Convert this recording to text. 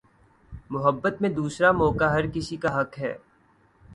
محبت میں دوسرا موقع ہر کسی کا حق ہے